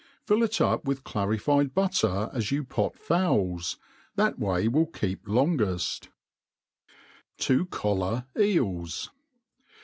Fill it up with clarified butter^ as yo^ pqt fowls ; that yray ivill keep lopgef|:« ^0 collar Eels.